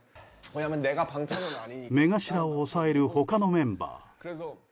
目頭を押さえる他のメンバー。